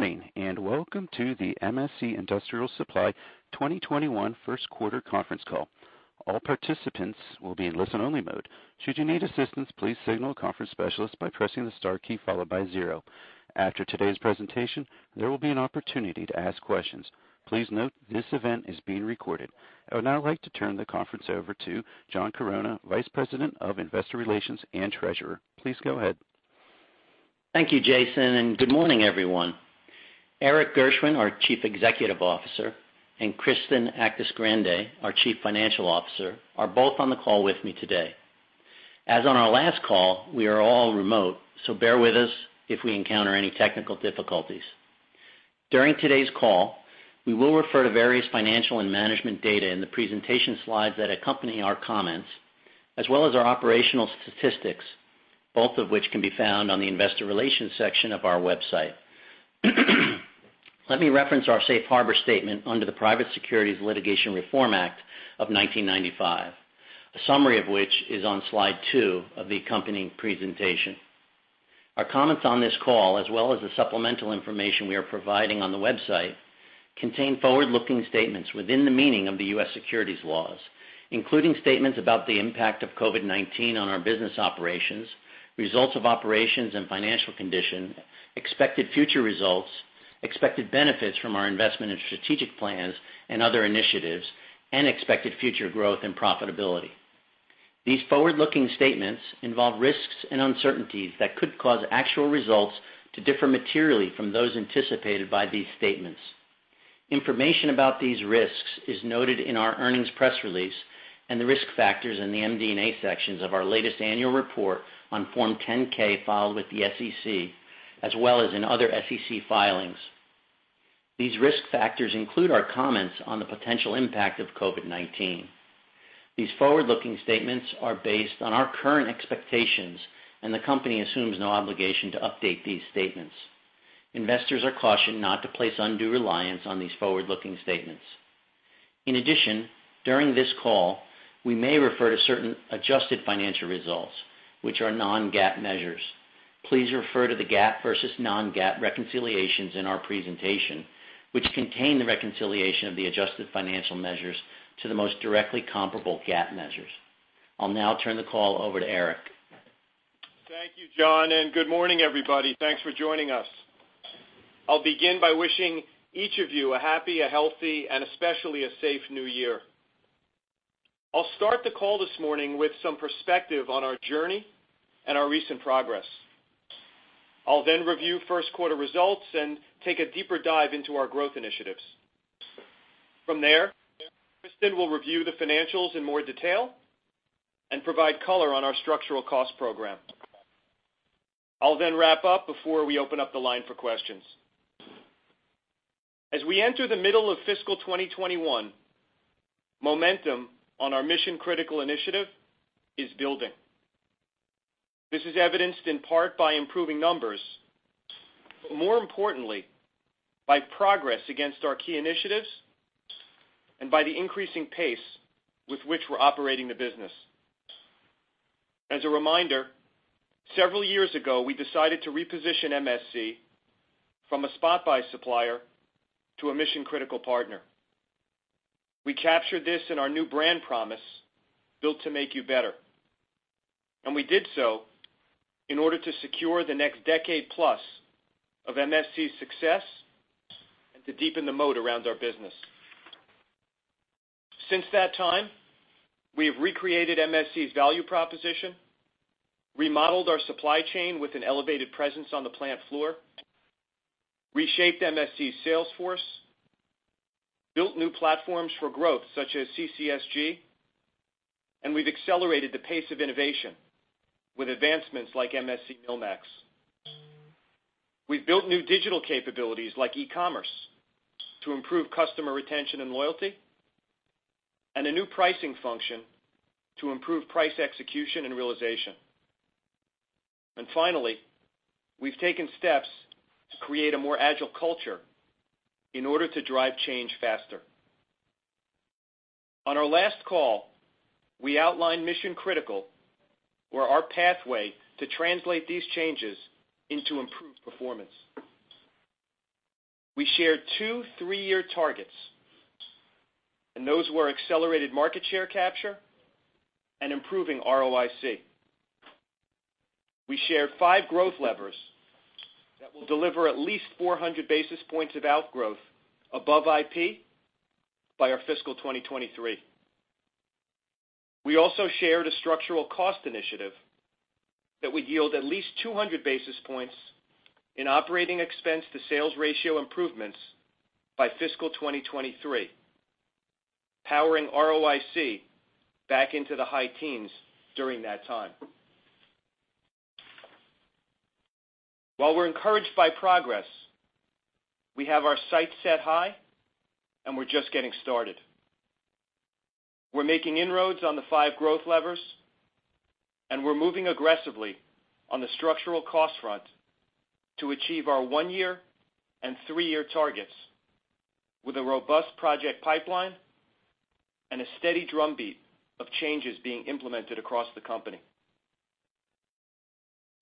Good morning, and welcome to the MSC Industrial Supply 2021 first quarter conference call. All participants would be on a listen-only mode. Should you need assistance please say no conference special breakfast in the star key followed by zero. At today presentation there will be an opportunity to ask questions. Please note this event is being recorded. I would now like to turn the conference over to John Chironna, Vice President of Investor Relations and Treasurer. Please go ahead. Thank you, Jason, and good morning, everyone. Erik Gershwind, our Chief Executive Officer, and Kristen Actis-Grande, our Chief Financial Officer, are both on the call with me today. As on our last call, we are all remote, so bear with us if we encounter any technical difficulties. During today's call, we will refer to various financial and management data in the presentation slides that accompany our comments, as well as our operational statistics, both of which can be found on the investor relations section of our website. Let me reference our safe harbor statement under the Private Securities Litigation Reform Act of 1995, a summary of which is on slide two of the accompanying presentation. Our comments on this call, as well as the supplemental information we are providing on the website, contain forward-looking statements within the meaning of the U.S. securities laws, including statements about the impact of COVID-19 on our business operations, results of operations and financial condition, expected future results, expected benefits from our investment and strategic plans and other initiatives, and expected future growth and profitability. These forward-looking statements involve risks and uncertainties that could cause actual results to differ materially from those anticipated by these statements. Information about these risks is noted in our earnings press release and the Risk Factors in the MD&A sections of our latest annual report on Form 10-K filed with the SEC, as well as in other SEC filings. These risk factors include our comments on the potential impact of COVID-19. These forward-looking statements are based on our current expectations, and the company assumes no obligation to update these statements. Investors are cautioned not to place undue reliance on these forward-looking statements. In addition, during this call, we may refer to certain adjusted financial results, which are non-GAAP measures. Please refer to the GAAP versus non-GAAP reconciliations in our presentation, which contain the reconciliation of the adjusted financial measures to the most directly comparable GAAP measures. I'll now turn the call over to Erik. Thank you, John. Good morning, everybody. Thanks for joining us. I'll begin by wishing each of you a happy, a healthy, and especially a safe New Year. I'll start the call this morning with some perspective on our journey and our recent progress. I'll review first quarter results and take a deeper dive into our growth initiatives. From there, Kristen will review the financials in more detail and provide color on our structural cost program. I'll wrap up before we open up the line for questions. As we enter the middle of fiscal 2021, momentum on our Mission Critical initiative is building. This is evidenced in part by improving numbers, but more importantly, by progress against our key initiatives and by the increasing pace with which we're operating the business. As a reminder, several years ago, we decided to reposition MSC from a spot buy supplier to a Mission Critical partner. We captured this in our new brand promise, Built to Make You Better, and we did so in order to secure the next decade plus of MSC's success and to deepen the moat around our business. Since that time, we have recreated MSC's value proposition, remodeled our supply chain with an elevated presence on the plant floor, reshaped MSC's sales force, built new platforms for growth such as CCSG, and we've accelerated the pace of innovation with advancements like MSC MillMax. We've built new digital capabilities like e-commerce to improve customer retention and loyalty, and a new pricing function to improve price execution and realization. Finally, we've taken steps to create a more agile culture in order to drive change faster. On our last call, we outlined Mission Critical or our pathway to translate these changes into improved performance. We shared two three-year targets, and those were accelerated market share capture and improving ROIC. We shared five growth levers that will deliver at least 400 basis points of outgrowth above IP by our fiscal 2023. We also shared a structural cost initiative that would yield at least 200 basis points in operating expense to sales ratio improvements by fiscal 2023, powering ROIC back into the high teens during that time. While we're encouraged by progress, we have our sights set high, and we're just getting started. We're making inroads on the five growth levers, and we're moving aggressively on the structural cost front to achieve our 1-year and 3-year targets with a robust project pipeline and a steady drumbeat of changes being implemented across the company.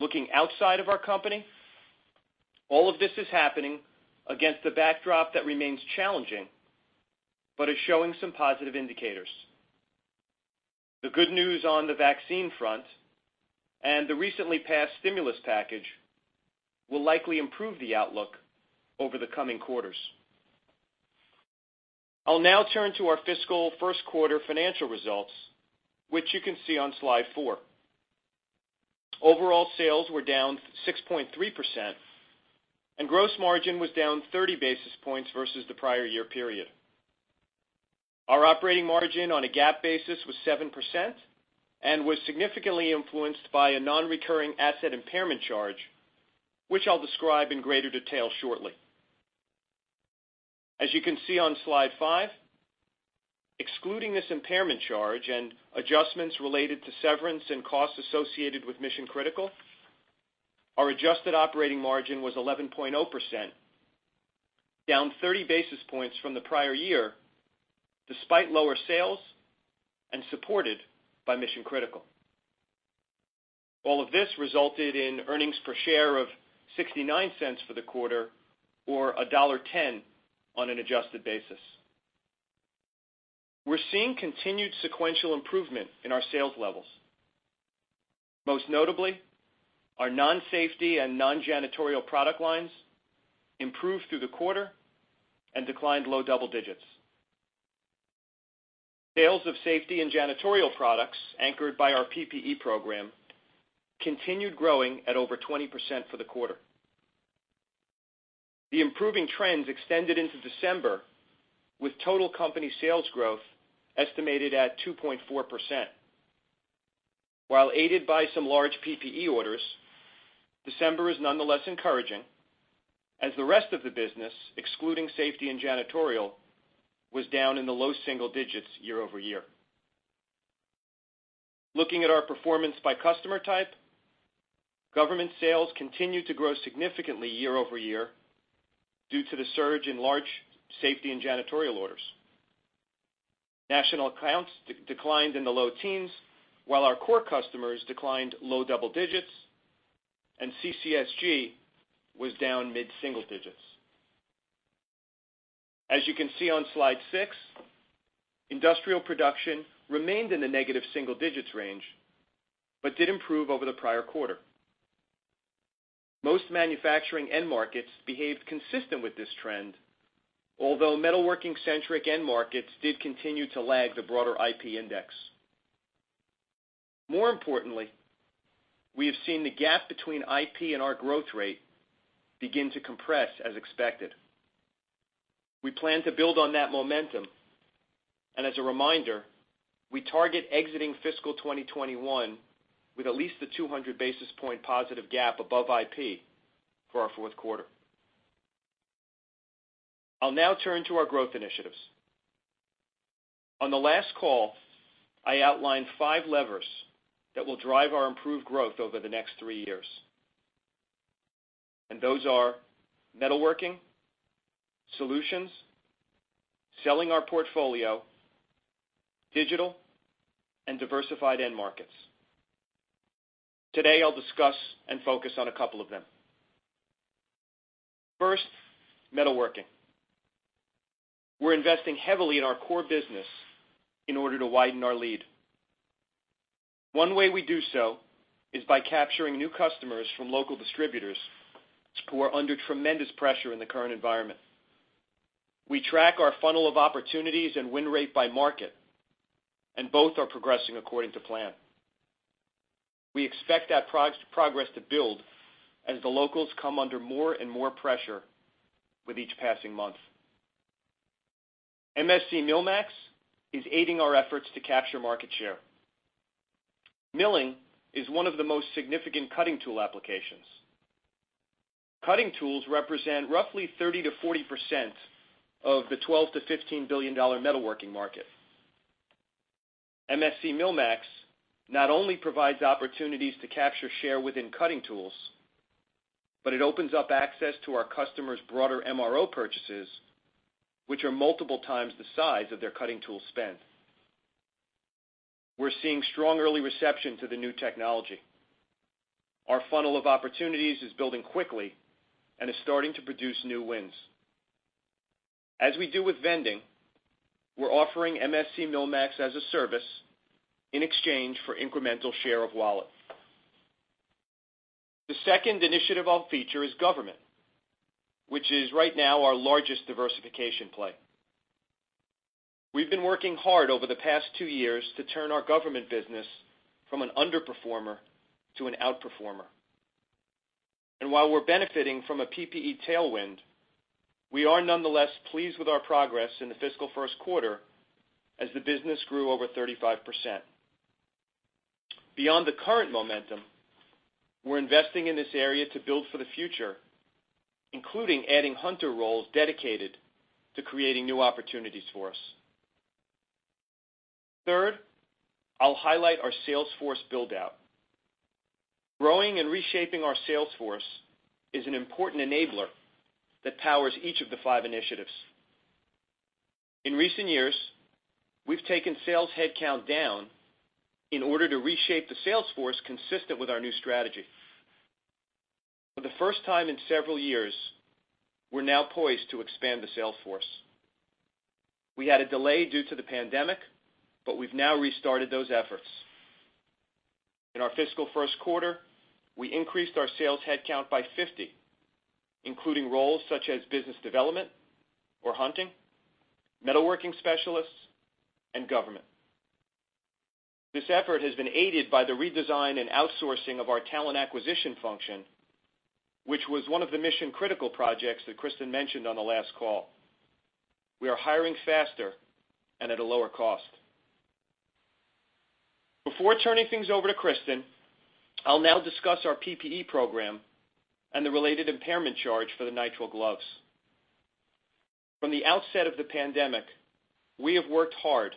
Looking outside of our company, all of this is happening against a backdrop that remains challenging, but is showing some positive indicators. The good news on the vaccine front and the recently passed stimulus package will likely improve the outlook over the coming quarters. I'll now turn to our fiscal first quarter financial results, which you can see on slide four. Overall sales were down 6.3%, and gross margin was down 30 basis points versus the prior year period. Our operating margin on a GAAP basis was 7% and was significantly influenced by a non-recurring asset impairment charge, which I'll describe in greater detail shortly. As you can see on slide five, excluding this impairment charge and adjustments related to severance and costs associated with Mission Critical, our adjusted operating margin was 11.0%, down 30 basis points from the prior year, despite lower sales and supported by Mission Critical. All of this resulted in earnings per share of $0.69 for the quarter, or $1.10 on an adjusted basis. We're seeing continued sequential improvement in our sales levels. Most notably, our non-safety and non-janitorial product lines improved through the quarter and declined low double digits. Sales of safety and janitorial products, anchored by our PPE program, continued growing at over 20% for the quarter. The improving trends extended into December, with total company sales growth estimated at 2.4%. While aided by some large PPE orders, December is nonetheless encouraging as the rest of the business, excluding safety and janitorial, was down in the low single digits year-over-year. Looking at our performance by customer type, government sales continued to grow significantly year-over-year due to the surge in large safety and janitorial orders. National accounts declined in the low teens, while our core customers declined low double digits, and CCSG was down mid-single digits. As you can see on slide six, industrial production remained in the negative single digits range, but did improve over the prior quarter. Most manufacturing end markets behaved consistent with this trend, although metalworking-centric end markets did continue to lag the broader IP index. More importantly, we have seen the gap between IP and our growth rate begin to compress as expected. We plan to build on that momentum. As a reminder, we target exiting fiscal 2021 with at least the 200 basis point positive gap above IP for our fourth quarter. I'll now turn to our growth initiatives. On the last call, I outlined five levers that will drive our improved growth over the next three years. Those are metalworking, solutions, selling our portfolio, digital, and diversified end markets. Today, I'll discuss and focus on a couple of them. First, metalworking. We're investing heavily in our core business in order to widen our lead. One way we do so is by capturing new customers from local distributors who are under tremendous pressure in the current environment. We track our funnel of opportunities and win rate by market, both are progressing according to plan. We expect that progress to build as the locals come under more and more pressure with each passing month. MSC MillMax is aiding our efforts to capture market share. Milling is one of the most significant cutting tool applications. Cutting tools represent roughly 30%-40% of the $12 billion-$15 billion metalworking market. MSC MillMax not only provides opportunities to capture share within cutting tools, but it opens up access to our customers' broader MRO purchases, which are multiple times the size of their cutting tool spend. We're seeing strong early reception to the new technology. Our funnel of opportunities is building quickly and is starting to produce new wins. As we do with vending, we're offering MSC MillMax as a service in exchange for incremental share of wallet. The second initiative I'll feature is government, which is right now our largest diversification play. We've been working hard over the past two years to turn our government business from an underperformer to an outperformer. While we're benefiting from a PPE tailwind, we are nonetheless pleased with our progress in the fiscal first quarter as the business grew over 35%. Beyond the current momentum, we're investing in this area to build for the future, including adding Hunter roles dedicated to creating new opportunities for us. Third, I'll highlight our sales force build-out. Growing and reshaping our sales force is an important enabler that powers each of the five initiatives. In recent years, we've taken sales headcount down in order to reshape the sales force consistent with our new strategy. For the first time in several years, we're now poised to expand the sales force. We had a delay due to the pandemic, but we've now restarted those efforts. In our fiscal first quarter, we increased our sales headcount by 50, including roles such as business development or hunting, metalworking specialists, and government. This effort has been aided by the redesign and outsourcing of our talent acquisition function, which was one of the Mission Critical projects that Kristen mentioned on the last call. We are hiring faster and at a lower cost. Before turning things over to Kristen, I'll now discuss our PPE program and the related impairment charge for the nitrile gloves. From the outset of the pandemic, we have worked hard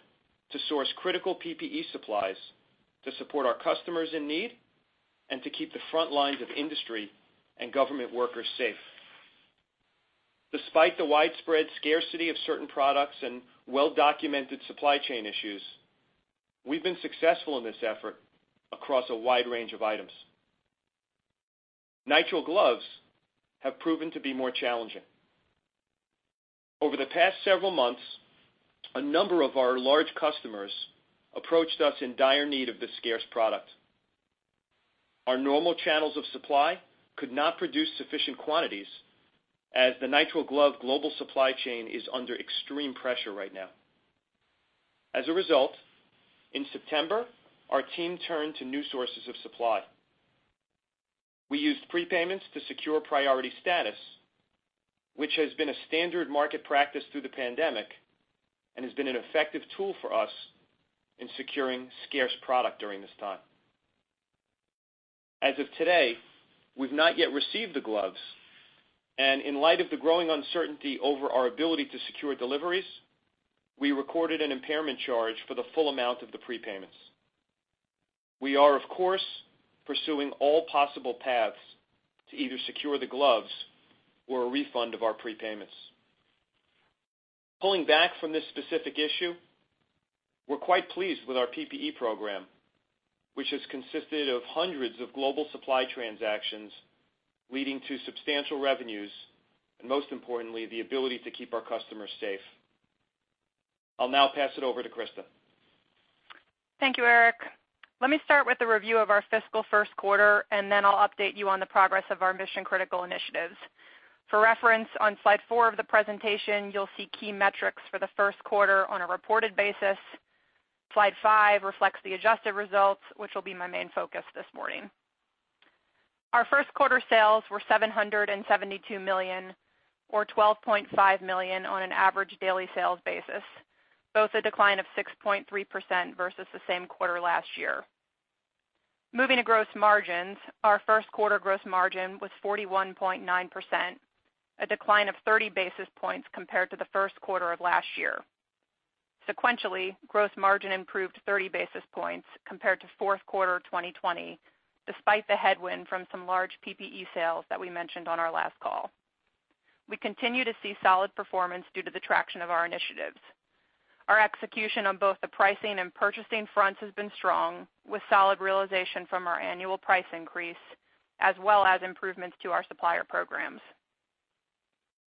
to source critical PPE supplies to support our customers in need and to keep the front lines of industry and government workers safe. Despite the widespread scarcity of certain products and well-documented supply chain issues, we've been successful in this effort across a wide range of items. Nitrile gloves have proven to be more challenging. Over the past several months, a number of our large customers approached us in dire need of this scarce product. Our normal channels of supply could not produce sufficient quantities as the nitrile glove global supply chain is under extreme pressure right now. As a result, in September, our team turned to new sources of supply. We used prepayments to secure priority status, which has been a standard market practice through the pandemic and has been an effective tool for us in securing scarce product during this time. As of today, we have not yet received the gloves, and in light of the growing uncertainty over our ability to secure deliveries, we recorded an impairment charge for the full amount of the prepayments. We are, of course, pursuing all possible paths to either secure the gloves or a refund of our prepayments. Pulling back from this specific issue, we're quite pleased with our PPE program, which has consisted of hundreds of global supply transactions leading to substantial revenues, and most importantly, the ability to keep our customers safe. I'll now pass it over to Kristen. Thank you, Erik. Let me start with a review of our fiscal first quarter, and then I'll update you on the progress of our Mission Critical initiatives. For reference, on slide four of the presentation, you'll see key metrics for the first quarter on a reported basis. Slide five reflects the adjusted results, which will be my main focus this morning. Our first quarter sales were $772 million, or $12.5 million on an average daily sales basis, both a decline of 6.3% versus the same quarter last year. Moving to gross margins, our first quarter gross margin was 41.9%, a decline of 30 basis points compared to the first quarter of last year. Sequentially, gross margin improved 30 basis points compared to fourth quarter 2020, despite the headwind from some large PPE sales that we mentioned on our last call. We continue to see solid performance due to the traction of our initiatives. Our execution on both the pricing and purchasing fronts has been strong, with solid realization from our annual price increase, as well as improvements to our supplier programs.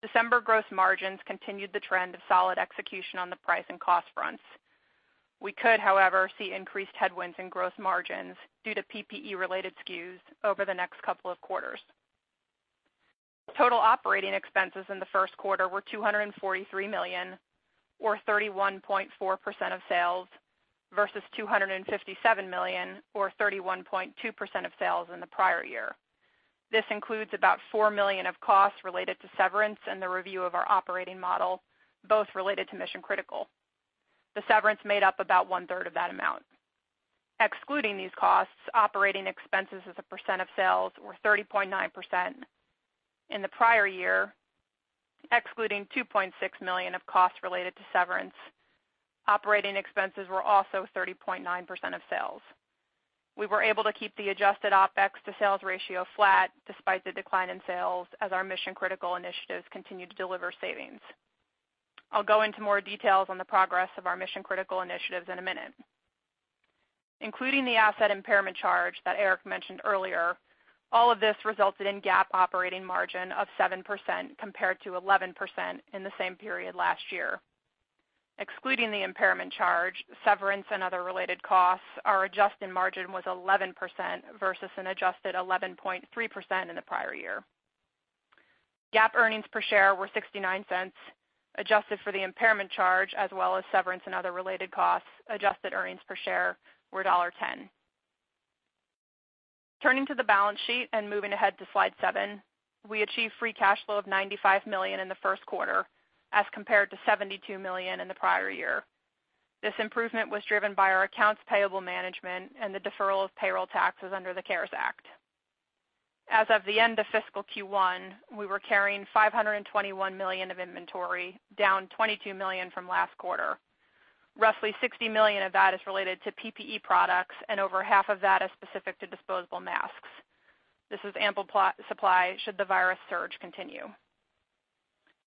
December gross margins continued the trend of solid execution on the price and cost fronts. We could, however, see increased headwinds in gross margins due to PPE-related SKUs over the next couple of quarters. Total operating expenses in the first quarter were $243 million, or 31.4% of sales, versus $257 million, or 31.2% of sales, in the prior year. This includes about $4 million of costs related to severance and the review of our operating model, both related to Mission Critical. The severance made up about one-third of that amount. Excluding these costs, operating expenses as a percent of sales were 30.9%. In the prior year, excluding $2.6 million of costs related to severance, operating expenses were also 30.9% of sales. We were able to keep the adjusted OpEx to sales ratio flat despite the decline in sales as our Mission Critical initiatives continue to deliver savings. I'll go into more details on the progress of our Mission Critical initiatives in a minute. Including the asset impairment charge that Erik mentioned earlier, all of this resulted in GAAP operating margin of 7% compared to 11% in the same period last year. Excluding the impairment charge, severance, and other related costs, our adjusted margin was 11% versus an adjusted 11.3% in the prior year. GAAP earnings per share were $0.69. Adjusted for the impairment charge, as well as severance and other related costs, adjusted earnings per share were $1.10. Turning to the balance sheet and moving ahead to slide seven, we achieved free cash flow of $95 million in the first quarter as compared to $72 million in the prior year. This improvement was driven by our accounts payable management and the deferral of payroll taxes under the CARES Act. As of the end of fiscal Q1, we were carrying $521 million of inventory, down $22 million from last quarter. Roughly $60 million of that is related to PPE products, and over half of that is specific to disposable masks. This is ample supply should the virus surge continue.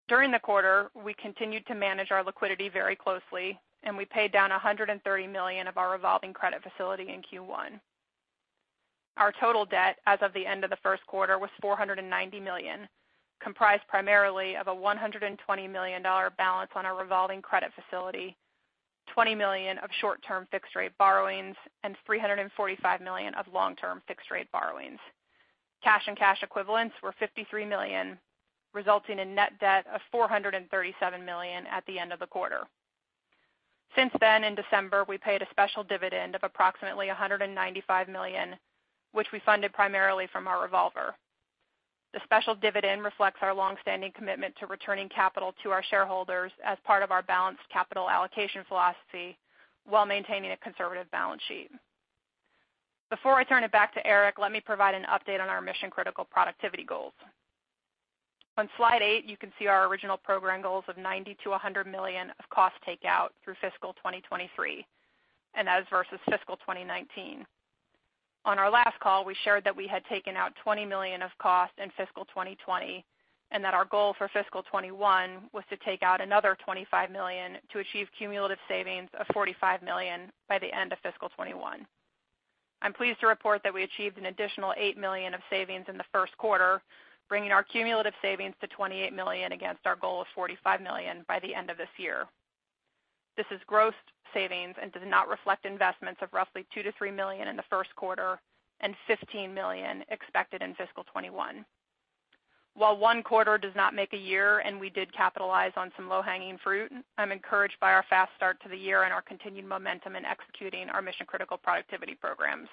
During the quarter, we continued to manage our liquidity very closely, and we paid down $130 million of our revolving credit facility in Q1. Our total debt as of the end of the first quarter was $490 million, comprised primarily of a $120 million balance on our revolving credit facility, $20 million of short-term fixed rate borrowings, and $345 million of long-term fixed rate borrowings. Cash and cash equivalents were $53 million, resulting in net debt of $437 million at the end of the quarter. Since then, in December, we paid a special dividend of approximately $195 million, which we funded primarily from our revolver. The special dividend reflects our longstanding commitment to returning capital to our shareholders as part of our balanced capital allocation philosophy while maintaining a conservative balance sheet. Before I turn it back to Erik, let me provide an update on our Mission Critical productivity goals. On slide eight, you can see our original program goals of $90 million-$100 million of cost takeout through fiscal 2023, and that is versus fiscal 2019. On our last call, we shared that we had taken out $20 million of cost in fiscal 2020, and that our goal for fiscal 2021 was to take out another $25 million to achieve cumulative savings of $45 million by the end of fiscal 2021. I'm pleased to report that we achieved an additional $8 million of savings in the first quarter, bringing our cumulative savings to $28 million against our goal of $45 million by the end of this year. This is gross savings and does not reflect investments of roughly $2 million-$3 million in the first quarter and $15 million expected in fiscal 2021. While one quarter does not make a year, and we did capitalize on some low-hanging fruit, I'm encouraged by our fast start to the year and our continued momentum in executing our Mission Critical productivity programs.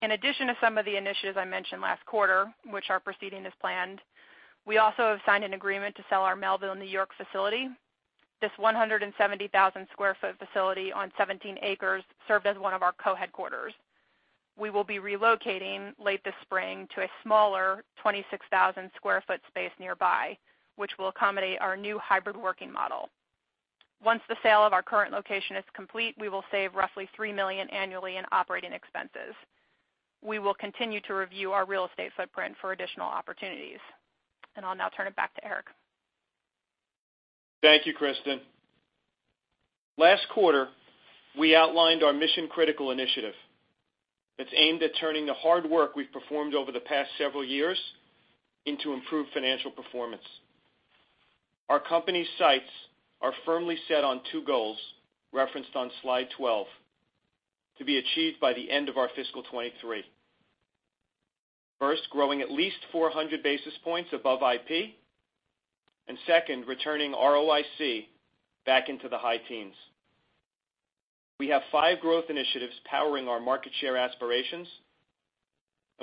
In addition to some of the initiatives I mentioned last quarter, which are proceeding as planned, we also have signed an agreement to sell our Melville, N.Y. facility. This 170,000 square foot facility on 17 acres served as one of our co-headquarters. We will be relocating late this spring to a smaller 26,000 square foot space nearby, which will accommodate our new hybrid working model. Once the sale of our current location is complete, we will save roughly $3 million annually in OpEx. We will continue to review our real estate footprint for additional opportunities. I'll now turn it back to Erik. Thank you, Kristen. Last quarter, we outlined our Mission Critical initiative that's aimed at turning the hard work we've performed over the past several years into improved financial performance. Our company's sights are firmly set on two goals referenced on slide 12 to be achieved by the end of our fiscal 2023. First, growing at least 400 basis points above IP. Second, returning ROIC back into the high teens. We have five growth initiatives powering our market share aspirations.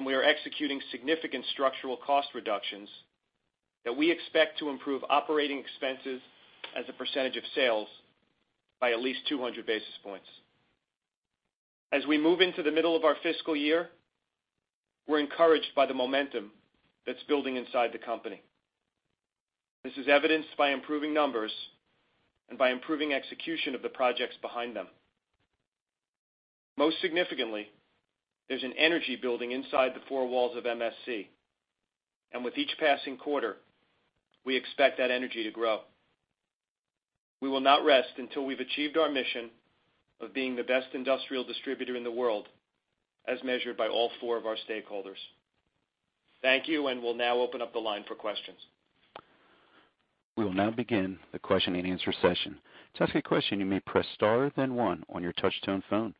We are executing significant structural cost reductions that we expect to improve operating expenses as a percentage of sales by at least 200 basis points. As we move into the middle of our fiscal year, we're encouraged by the momentum that's building inside the company. This is evidenced by improving numbers and by improving execution of the projects behind them. Most significantly, there's an energy building inside the four walls of MSC, and with each passing quarter, we expect that energy to grow. We will not rest until we've achieved our mission of being the best industrial distributor in the world, as measured by all four of our stakeholders. Thank you, and we'll now open up the line for questions. We will now begin the question and answer session. To ask a question, you may press star then one on your touchtone phone.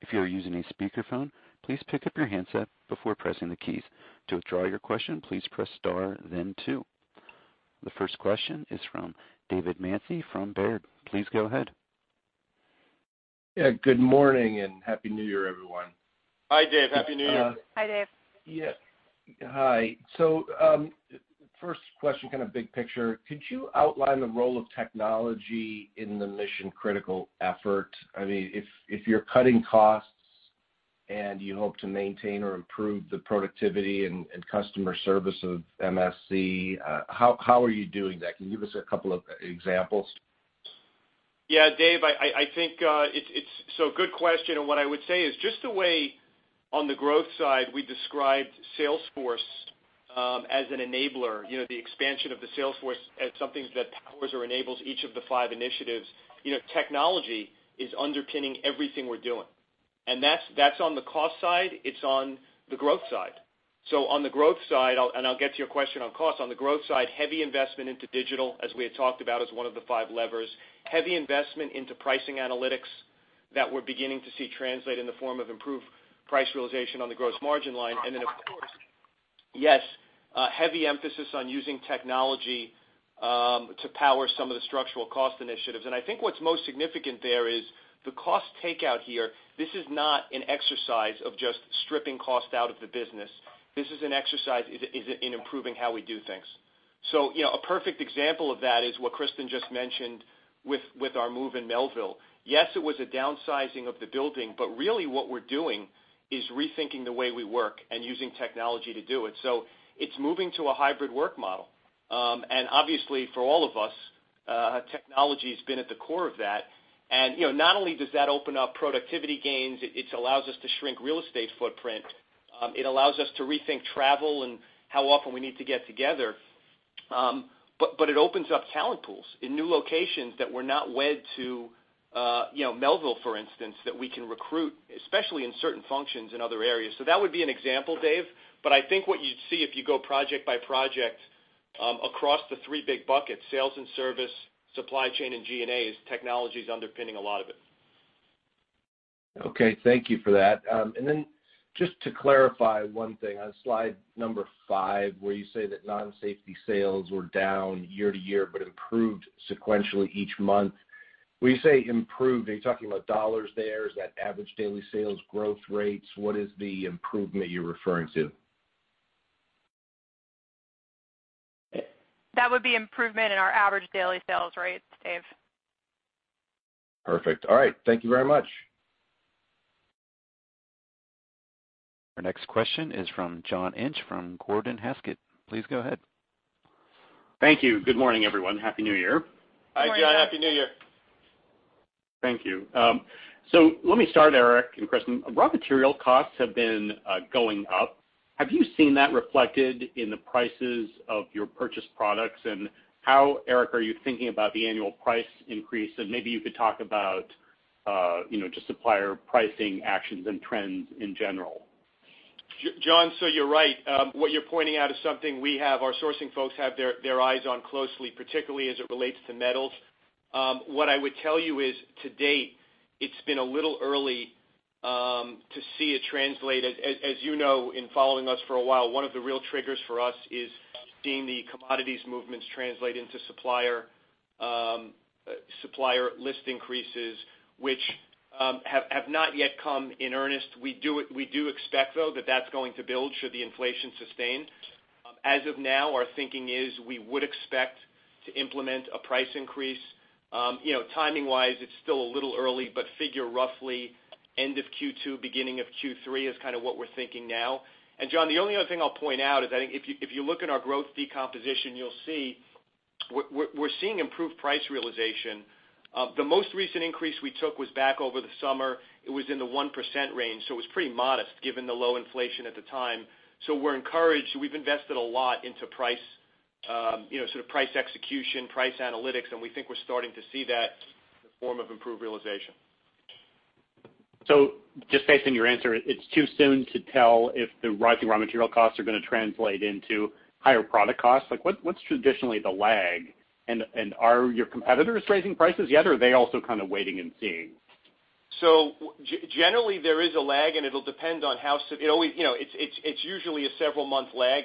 If you are using a speakerphone, please pick up your handset before pressing the keys. To withdraw your question, please press star then two. The first question is from David Manthey from Baird. Please go ahead. Yeah, good morning and happy New Year, everyone. Hi, Dave. Happy New Year. Hi, Dave. Yeah. Hi. First question, kind of big picture. Could you outline the role of technology in the Mission Critical effort? If you're cutting costs and you hope to maintain or improve the productivity and customer service of MSC, how are you doing that? Can you give us a couple of examples? Yeah, Dave, so good question, and what I would say is just the way on the growth side we described sales force as an enabler, the expansion of the sales force as something that powers or enables each of the five initiatives. Technology is underpinning everything we're doing. That's on the cost side. It's on the growth side. I'll get to your question on cost. On the growth side, heavy investment into digital, as we had talked about, is one of the five levers. Heavy investment into pricing analytics that we're beginning to see translate in the form of improved price realization on the gross margin line. Of course, yes, a heavy emphasis on using technology to power some of the structural cost initiatives. I think what's most significant there is the cost takeout here, this is not an exercise of just stripping cost out of the business. This is an exercise in improving how we do things. A perfect example of that is what Kristen just mentioned with our move in Melville. Yes, it was a downsizing of the building, but really what we're doing is rethinking the way we work and using technology to do it. It's moving to a hybrid work model. Obviously, for all of us, technology has been at the core of that. Not only does that open up productivity gains, it allows us to shrink real estate footprint. It allows us to rethink travel and how often we need to get together. It opens up talent pools in new locations that were not wed to Melville, for instance, that we can recruit, especially in certain functions in other areas. That would be an example, Dave. I think what you'd see if you go project by project across the three big buckets, sales and service, supply chain, and G&A, is technology is underpinning a lot of it. Okay. Thank you for that. Then just to clarify one thing, on slide number five, where you say that non-safety sales were down year-over-year but improved sequentially each month. When you say improved, are you talking about dollars there? Is that average daily sales growth rates? What is the improvement you're referring to? That would be improvement in our average daily sales rates, Dave. Perfect. All right. Thank you very much. Our next question is from John Inch from Gordon Haskett. Please go ahead. Thank you. Good morning, everyone. Happy New Year. Hi, John. Happy New Year. Thank you. Let me start, Erik and Kristen. Raw material costs have been going up. Have you seen that reflected in the prices of your purchased products? How, Erik, are you thinking about the annual price increase? Maybe you could talk about just supplier pricing actions and trends in general. John, you're right. What you're pointing out is something our sourcing folks have their eyes on closely, particularly as it relates to metals. What I would tell you is, to date, it's been a little early to see it translate. As you know, in following us for a while, one of the real triggers for us is seeing the commodities movements translate into supplier list increases, which have not yet come in earnest. We do expect, though, that that's going to build should the inflation sustain. As of now, our thinking is we would expect to implement a price increase. Timing-wise, it's still a little early, but figure roughly end of Q2, beginning of Q3 is kind of what we're thinking now. John, the only other thing I'll point out is that if you look in our growth decomposition, you'll see we're seeing improved price realization. The most recent increase we took was back over the summer. It was in the 1% range, so it was pretty modest given the low inflation at the time. We're encouraged. We've invested a lot into price execution, price analytics, and we think we're starting to see that in the form of improved realization. Just based on your answer, it's too soon to tell if the rising raw material costs are going to translate into higher product costs. What's traditionally the lag? Are your competitors raising prices yet, or are they also kind of waiting and seeing? Generally, there is a lag, and it's usually a several-month lag.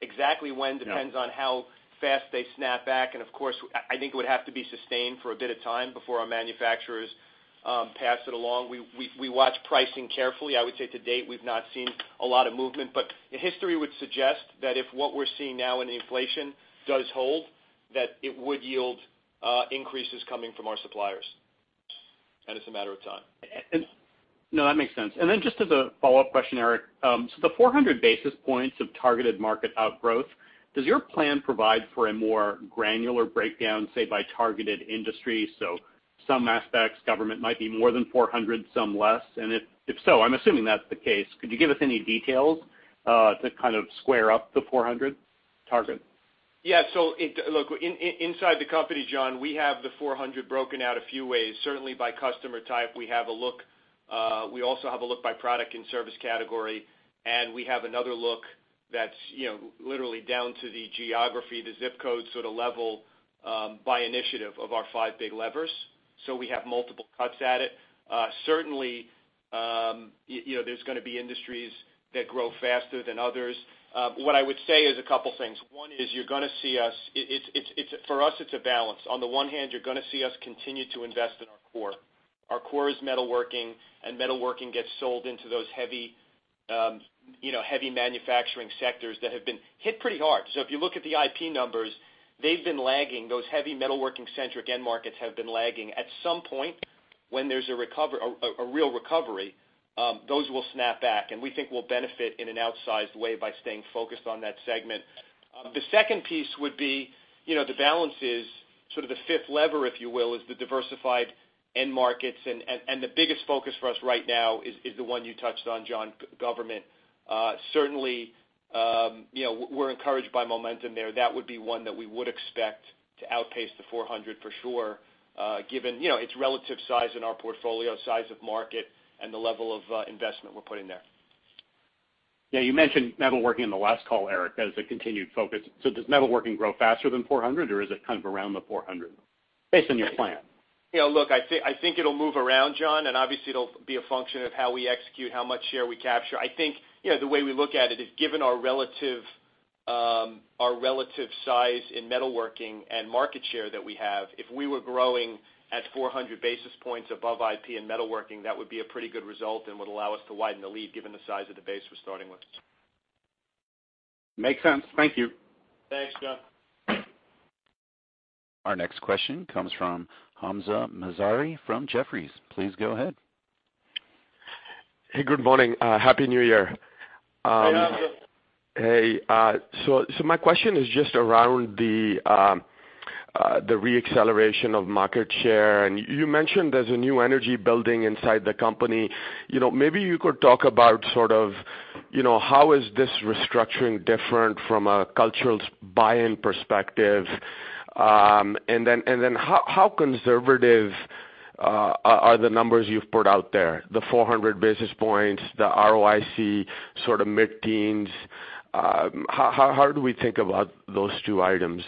Exactly when depends on how fast they snap back, and of course, I think it would have to be sustained for a bit of time before our manufacturers pass it along. We watch pricing carefully. I would say to date, we've not seen a lot of movement, but history would suggest that if what we're seeing now in inflation does hold, that it would yield increases coming from our suppliers, and it's a matter of time. No, that makes sense. Just as a follow-up question, Erik. The 400 basis points of targeted market outgrowth, does your plan provide for a more granular breakdown, say, by targeted industry? Some aspects, government might be more than 400, some less. If so, I'm assuming that's the case, could you give us any details to kind of square up the 400 target? Look, inside the company, John, we have the 400 broken out a few ways. Certainly by customer type, we have a look. We also have a look by product and service category, and we have another look that's literally down to the geography, the zip code sort of level by initiative of our five big levers. Certainly, there's going to be industries that grow faster than others. What I would say is a couple things. One is you're going to see us. For us, it's a balance. On the one hand, you're going to see us continue to invest in our core. Our core is metalworking, and metalworking gets sold into those heavy manufacturing sectors that have been hit pretty hard. If you look at the IP numbers, they've been lagging. Those heavy metalworking-centric end markets have been lagging. At some point, when there's a real recovery, those will snap back, and we think we'll benefit in an outsized way by staying focused on that segment. The second piece would be the balance is sort of the fifth lever, if you will, is the diversified end markets, and the biggest focus for us right now is the one you touched on, John, government. Certainly, we're encouraged by momentum there. That would be one that we would expect to outpace the 400 for sure given its relative size in our portfolio, size of market, and the level of investment we're putting there. Yeah, you mentioned metalworking in the last call, Erik, as a continued focus. Does metalworking grow faster than 400, or is it kind of around the 400 based on your plan? Look, I think it'll move around, John, and obviously, it'll be a function of how we execute, how much share we capture. I think the way we look at it is given our relative size in metalworking and market share that we have, if we were growing at 400 basis points above IP and metalworking, that would be a pretty good result and would allow us to widen the lead given the size of the base we're starting with. Makes sense. Thank you. Thanks, John. Our next question comes from Hamzah Mazari from Jefferies. Please go ahead. Hey, good morning. Happy New Year. Hi, Hamzah. Hey. My question is just around the re-acceleration of market share. You mentioned there's a new energy building inside the company. Maybe you could talk about how is this restructuring different from a cultural buy-in perspective? Then how conservative are the numbers you've put out there? The 400 basis points, the ROIC sort of mid-teens. How do we think about those two items?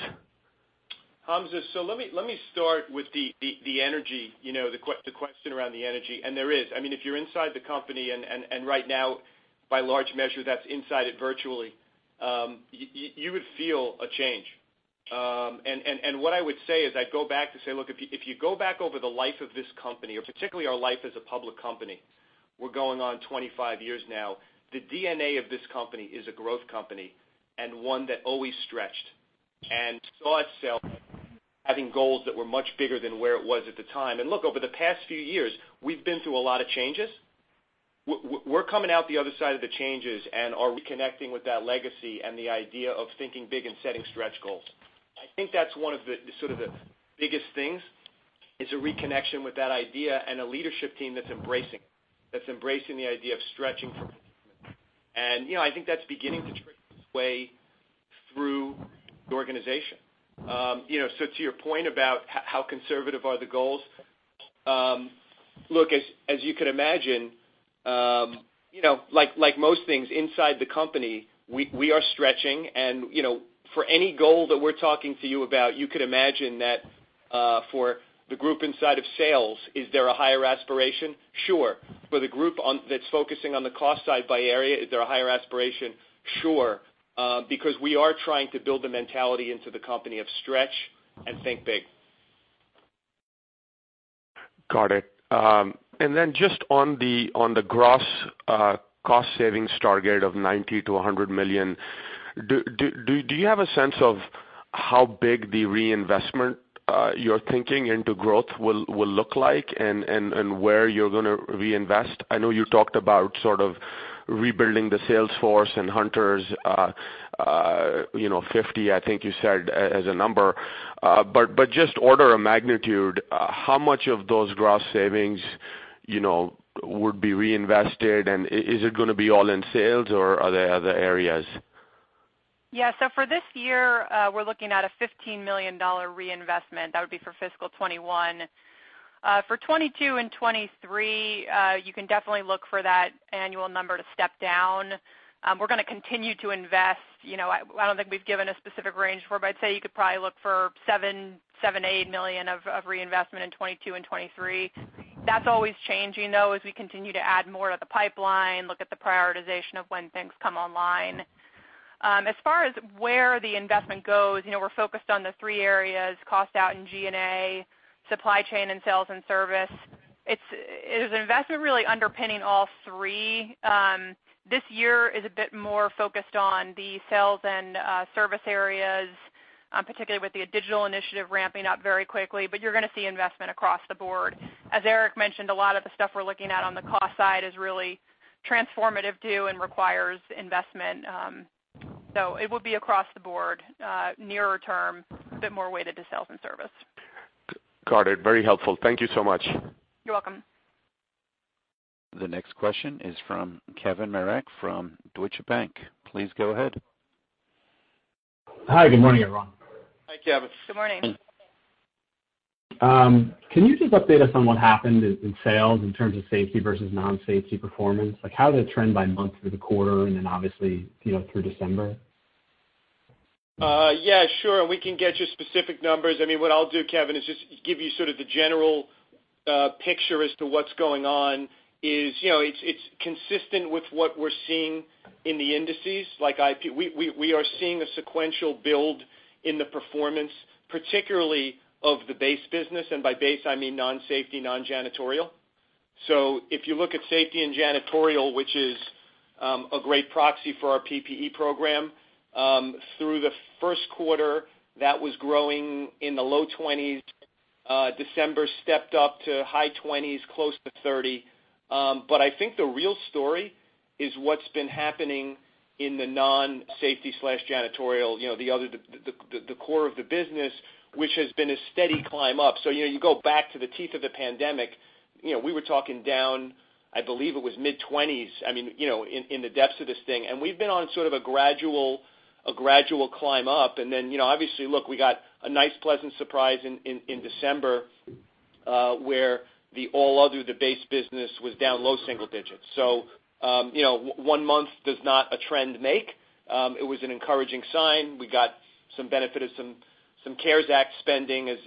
Hamzah, let me start with the energy, the question around the energy. If you're inside the company, right now, by large measure, that's inside it virtually, you would feel a change. What I would say is I'd go back to say, look, if you go back over the life of this company, or particularly our life as a public company, we're going on 25 years now, the DNA of this company is a growth company and one that always stretched and saw itself having goals that were much bigger than where it was at the time. Look, over the past few years, we've been through a lot of changes. We're coming out the other side of the changes and are reconnecting with that legacy and the idea of thinking big and setting stretch goals. I think that's one of the biggest things, is a reconnection with that idea and a leadership team that's embracing it, that's embracing the idea of stretching for. I think that's beginning to trick its way through the organization. To your point about how conservative are the goals, look, as you can imagine, like most things inside the company, we are stretching and for any goal that we're talking to you about, you could imagine that for the group inside of sales, is there a higher aspiration? Sure. For the group that's focusing on the cost side by area, is there a higher aspiration? Sure. Because we are trying to build the mentality into the company of stretch and think big. Got it. Just on the gross cost savings target of $90 million to $100 million, do you have a sense of how big the reinvestment you're thinking into growth will look like and where you're going to reinvest? I know you talked about sort of rebuilding the sales force and hunters, 50, I think you said, as a number. Just order of magnitude, how much of those gross savings would be reinvested, and is it going to be all in sales, or are there other areas? Yeah. For this year, we're looking at a $15 million reinvestment. That would be for FY 2021. For 2022 and 2023, you can definitely look for that annual number to step down. We're going to continue to invest. I don't think we've given a specific range for it, but I'd say you could probably look for $7 million, $8 million of reinvestment in 2022 and 2023. That's always changing, though, as we continue to add more to the pipeline, look at the prioritization of when things come online. As far as where the investment goes, we're focused on the three areas, cost out in G&A, supply chain, and sales and service. It is investment really underpinning all three. This year is a bit more focused on the sales and service areas, particularly with the digital initiative ramping up very quickly, but you're going to see investment across the board. As Erik mentioned, a lot of the stuff we're looking at on the cost side is really transformative, too, and requires investment. It will be across the board nearer term, a bit more weighted to sales and service. Got it. Very helpful. Thank you so much. You're welcome. The next question is from Kevin Marek from Deutsche Bank. Please go ahead. Hi, good morning, everyone. Hi, Kevin. Good morning. Can you just update us on what happened in sales in terms of safety versus non-safety performance? Like how did it trend by month through the quarter and then obviously through December? Sure, we can get you specific numbers. What I'll do, Kevin, is just give you sort of the general picture as to what's going on is it's consistent with what we're seeing in the indices. We are seeing a sequential build in the performance, particularly of the base business, and by base, I mean non-safety, non-janitorial. If you look at safety and janitorial, which is a great proxy for our PPE program, through the first quarter, that was growing in the low 20s. December stepped up to high 20s, close to 30. I think the real story is what's been happening in the non-safety/janitorial, the core of the business, which has been a steady climb up. You go back to the teeth of the pandemic, we were talking down, I believe it was mid-20s, in the depths of this thing. We've been on sort of a gradual climb up, and then obviously, look, we got a nice pleasant surprise in December, where the all other, the base business was down low single digits. One month does not a trend make. It was an encouraging sign. We got some benefit of some CARES Act spending as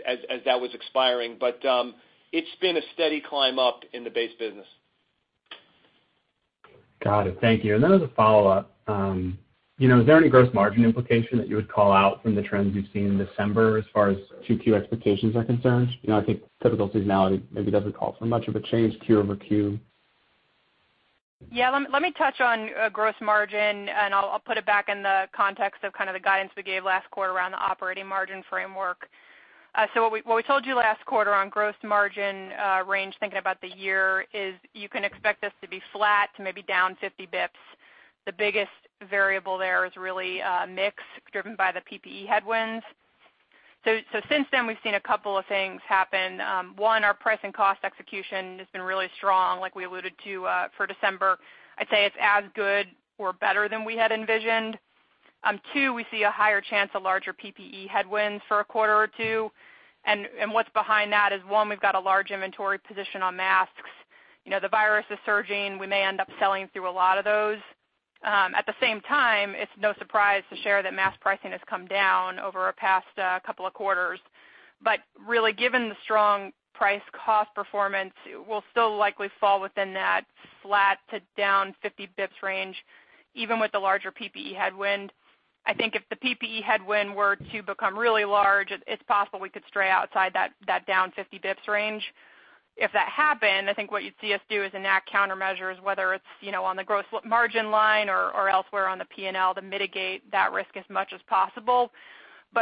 that was expiring. It's been a steady climb up in the base business. Got it. Thank you. As a follow-up, is there any gross margin implication that you would call out from the trends you've seen in December as far as 2Q expectations are concerned? I think typical seasonality maybe doesn't call for much of a change quarter-over-quarter. Yeah. Let me touch on gross margin, and I'll put it back in the context of kind of the guidance we gave last quarter around the operating margin framework. What we told you last quarter on gross margin range, thinking about the year is you can expect this to be flat to maybe down 50 bps. The biggest variable there is really mix driven by the PPE headwinds. Since then, we've seen a couple of things happen. One, our price and cost execution has been really strong, like we alluded to for December. I'd say it's as good or better than we had envisioned. Two, we see a higher chance of larger PPE headwinds for a quarter or two. What's behind that is one, we've got a large inventory position on masks. The virus is surging, we may end up selling through a lot of those. At the same time, it's no surprise to share that mask pricing has come down over a past couple of quarters. Really given the strong price cost performance, we'll still likely fall within that flat to down 50 basis points range, even with the larger PPE headwind. I think if the PPE headwind were to become really large, it's possible we could stray outside that down 50 basis points range. If that happened, I think what you'd see us do is enact countermeasures, whether it's on the gross margin line or elsewhere on the P&L to mitigate that risk as much as possible.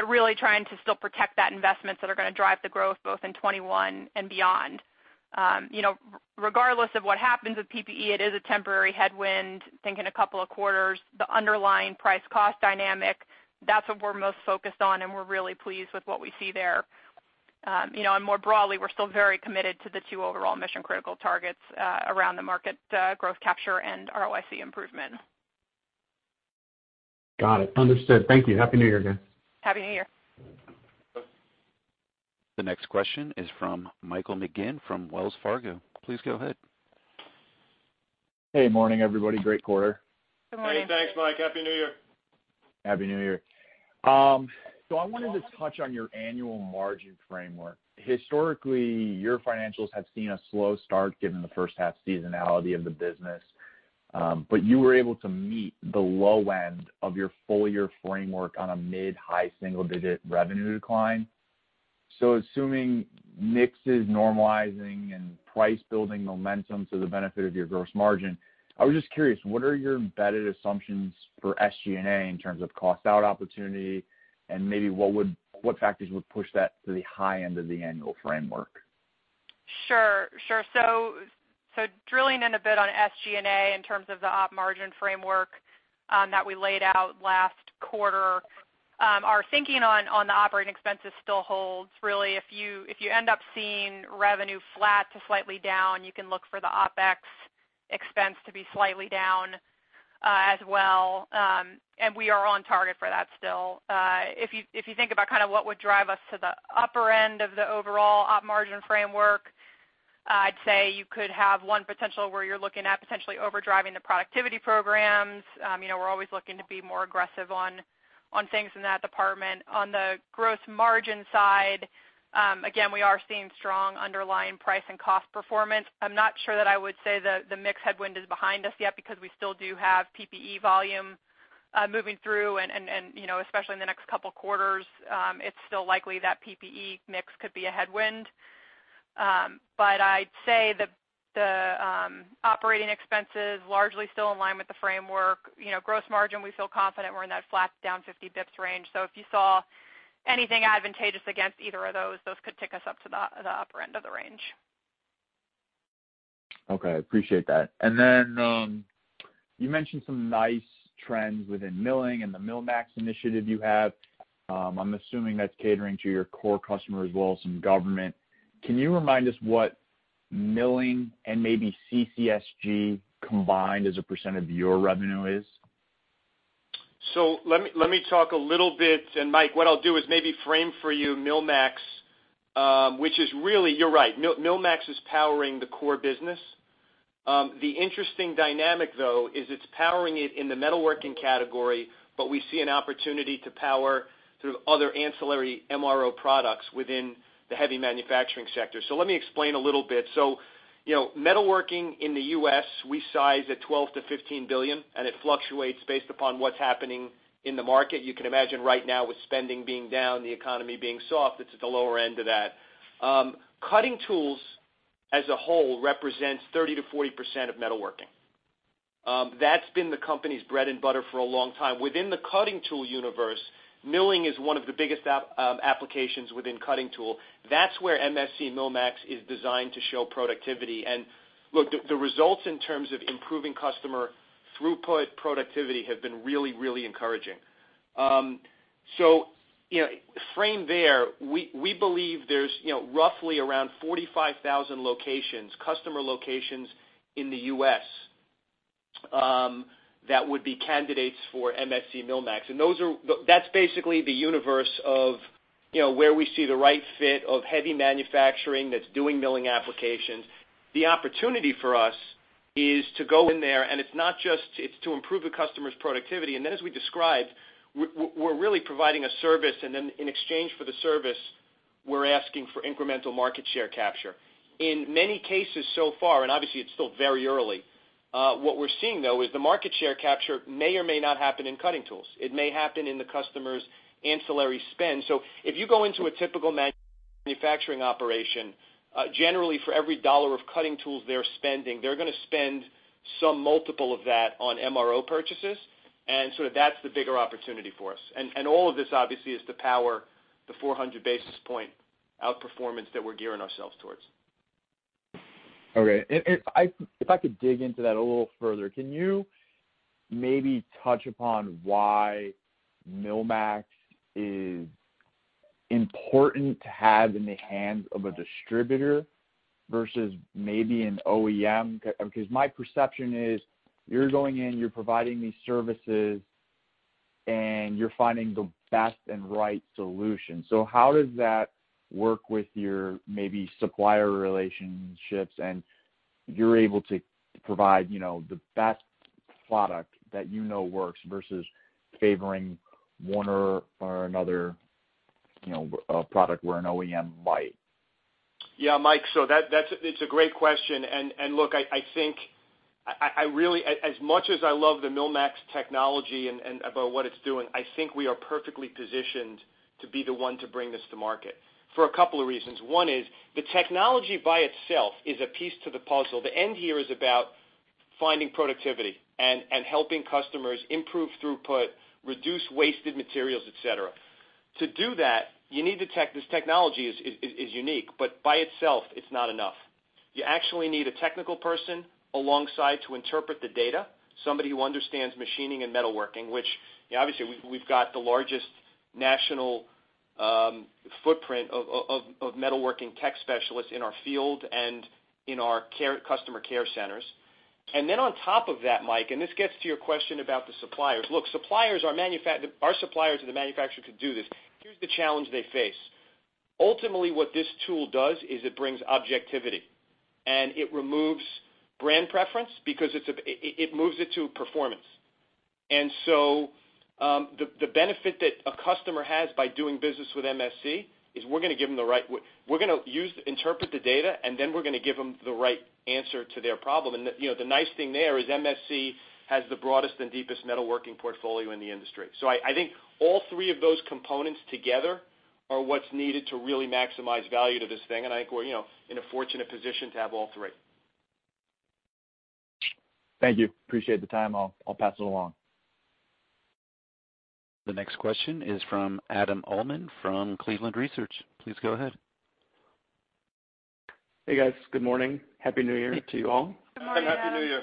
Really trying to still protect that investments that are going to drive the growth both in 2021 and beyond. Regardless of what happens with PPE, it is a temporary headwind, think in a couple of quarters. The underlying price cost dynamic, that's what we're most focused on, and we're really pleased with what we see there. More broadly, we're still very committed to the two overall Mission Critical targets around the market growth capture and ROIC improvement. Got it. Understood. Thank you. Happy New Year, guys. Happy New Year. The next question is from Michael McGinn from Wells Fargo. Please go ahead. Hey, morning, everybody. Great quarter. Good morning. Hey, thanks, Mike. Happy New Year. Happy New Year. I wanted to touch on your annual margin framework. Historically, your financials have seen a slow start given the first half seasonality of the business. You were able to meet the low end of your full-year framework on a mid-high single-digit revenue decline. Assuming mix is normalizing and price building momentum to the benefit of your gross margin, I was just curious, what are your embedded assumptions for SG&A in terms of cost out opportunity, and maybe what factors would push that to the high end of the annual framework? Sure. Drilling in a bit on SG&A in terms of the op margin framework that we laid out last quarter. Our thinking on the operating expenses still holds. Really, if you end up seeing revenue flat to slightly down, you can look for the OpEx expense to be slightly down as well, and we are on target for that still. If you think about what would drive us to the upper end of the overall op margin framework, I'd say you could have one potential where you're looking at potentially overdriving the productivity programs. We're always looking to be more aggressive on things in that department. On the gross margin side, again, we are seeing strong underlying price and cost performance. I'm not sure that I would say the mix headwind is behind us yet because we still do have PPE volume moving through, and especially in the next couple quarters, it's still likely that PPE mix could be a headwind. I'd say the operating expenses largely still in line with the framework. Gross margin, we feel confident we're in that flat to down 50 basis points range. If you saw anything advantageous against either of those could tick us up to the upper end of the range. Okay, appreciate that. You mentioned some nice trends within milling and the MillMax initiative you have. I'm assuming that's catering to your core customer as well as some government. Can you remind us what milling and maybe CCSG combined as a % of your revenue is? Let me talk a little bit, and Mike, what I'll do is maybe frame for you MillMax, which is really, you're right. MillMax is powering the core business. The interesting dynamic, though, is it's powering it in the metalworking category, but we see an opportunity to power through other ancillary MRO products within the heavy manufacturing sector. Let me explain a little bit. Metalworking in the U.S., we size at $12 billion-$15 billion, and it fluctuates based upon what's happening in the market. You can imagine right now with spending being down, the economy being soft, it's at the lower end of that. Cutting tools as a whole represents 30%-40% of metalworking. That's been the company's bread and butter for a long time. Within the cutting tool universe, milling is one of the biggest applications within cutting tool. That's where MSC MillMax is designed to show productivity. Look, the results in terms of improving customer throughput productivity have been really encouraging. Frame there, we believe there's roughly around 45,000 customer locations in the U.S. that would be candidates for MSC MillMax. That's basically the universe of where we see the right fit of heavy manufacturing that's doing milling applications. The opportunity for us is to go in there, and it's to improve the customer's productivity. As we described, we're really providing a service, and then in exchange for the service, we're asking for incremental market share capture. In many cases so far, and obviously it's still very early, what we're seeing, though, is the market share capture may or may not happen in cutting tools. It may happen in the customer's ancillary spend. If you go into a typical manufacturing operation. Generally, for every dollar of cutting tools they're spending, they're going to spend some multiple of that on MRO purchases, and so that's the bigger opportunity for us. All of this, obviously, is to power the 400 basis point outperformance that we're gearing ourselves towards. Okay. If I could dig into that a little further, can you maybe touch upon why MillMax is important to have in the hands of a distributor versus maybe an OEM? My perception is you're going in, you're providing these services, and you're finding the best and right solution. How does that work with your maybe supplier relationships, and you're able to provide the best product that you know works versus favoring one or another product where an OEM might? Yeah, Mike, it's a great question. Look, as much as I love the MillMax technology and about what it's doing, I think we are perfectly positioned to be the one to bring this to market for a couple of reasons. One is the technology by itself is a piece to the puzzle. The end here is about finding productivity and helping customers improve throughput, reduce wasted materials, et cetera. To do that, this technology is unique, but by itself, it's not enough. You actually need a technical person alongside to interpret the data, somebody who understands machining and metalworking, which obviously we've got the largest national footprint of metalworking tech specialists in our field and in our customer care centers. On top of that, Mike, and this gets to your question about the suppliers. Look, our suppliers and the manufacturer could do this. Here's the challenge they face. Ultimately what this tool does is it brings objectivity, and it removes brand preference because it moves it to performance. The benefit that a customer has by doing business with MSC is we're going to interpret the data, and then we're going to give them the right answer to their problem. The nice thing there is MSC has the broadest and deepest metalworking portfolio in the industry. I think all three of those components together are what's needed to really maximize value to this thing, and I think we're in a fortunate position to have all three. Thank you. Appreciate the time. I'll pass it along. The next question is from Adam Uhlman from Cleveland Research. Please go ahead. Hey, guys. Good morning. Happy New Year to you all. Good morning, Adam. Happy New Year.